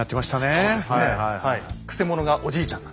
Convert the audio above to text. そうですねはい。